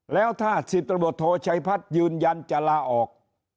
แล้วถ้า๑๐ตำรวจโทชัยพัฒน์ยืนยันจะลาออก